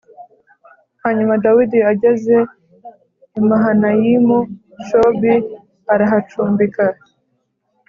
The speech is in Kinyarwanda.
hanyuma dawidi ageze i mahanayimu shobi arahacumbika